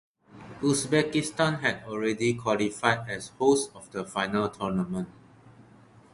Uzbekistan had already qualified as hosts of the final tournament.